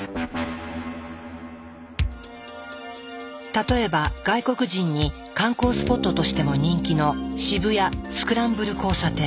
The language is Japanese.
例えば外国人に観光スポットとしても人気の渋谷・スクランブル交差点。